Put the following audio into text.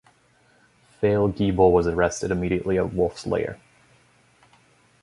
Fellgiebel was arrested immediately at Wolf's Lair.